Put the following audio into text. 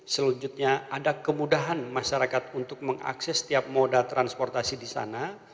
selanjutnya ada kemudahan masyarakat untuk mengakses setiap moda transportasi di sana